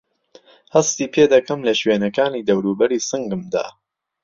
هەستی پێدەکەم له شوێنەکانی دەورووبەری سنگمدا؟